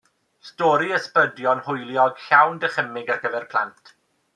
Stori ysbrydion hwyliog, llawn dychymyg ar gyfer plant.